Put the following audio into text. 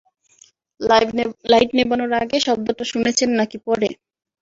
Light নেভানোর আগে শব্দটা শুনেছেন নাকি পরে?